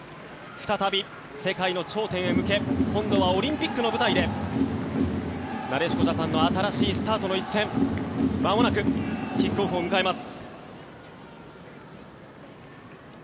再び世界の頂点へ向け今度はオリンピックの舞台でなでしこジャパンの新しいスタートの一戦まもなくキックオフを迎えます。